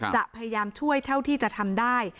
จะพยายามช่วยเท่าที่จะทำได้